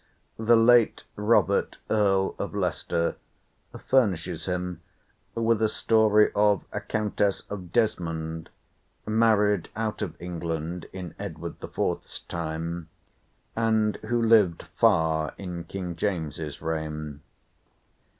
The "late Robert Earl of Leicester" furnishes him with a story of a Countess of Desmond, married out of England in Edward the Fourth's time, and who lived far in King James's reign.